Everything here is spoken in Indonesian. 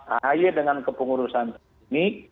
ahy dengan kepengurusan ini